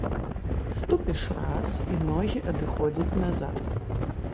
Ступіш раз, і ногі адыходзяць назад.